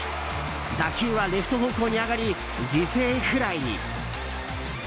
打球はレフト方向に上がり犠牲フライに。